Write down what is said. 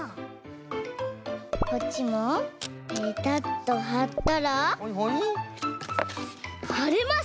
こっちもペタッとはったらはれます！